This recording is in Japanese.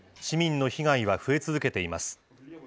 市民の被害は増え続けています。